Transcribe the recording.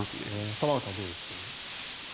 玉川さんはどうですか？